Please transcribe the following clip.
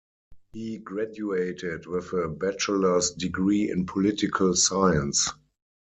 He graduated with a bachelor's degree in political science.